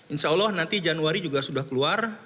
insya allah nanti januari juga sudah keluar